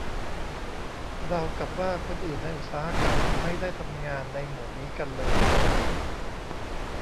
ราวกับว่าคนอื่นในอุตสาหกรรมไม่ได้ทำงานในโหมดนี้กันเลย